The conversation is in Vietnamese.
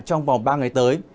trong vòng ba ngày tới